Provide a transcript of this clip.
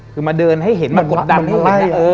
คือมาเดินให้เห็นมันกดดับ